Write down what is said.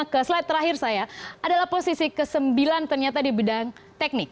ke slide terakhir saya adalah posisi ke sembilan ternyata di bidang teknik